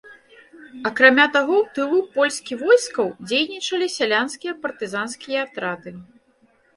Акрамя таго, у тылу польскі войскаў дзейнічалі сялянскія партызанскія атрады.